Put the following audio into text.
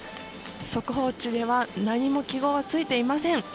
速報値では何も記号がついていません。